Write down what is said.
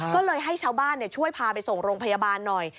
ก็เลยให้ชาวบ้านช่วยพาไปส่งโรงพยาบาลหน่อย